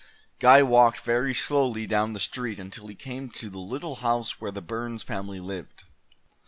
Guy walked very slowly down the street until he came to the little house where the Burns family lived.